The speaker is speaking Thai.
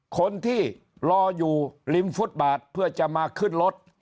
คนที่รออยู่ริมฟุตบาทเพื่อจะมาขึ้นรถ